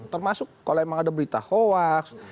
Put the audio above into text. termasuk kalau memang ada berita hoax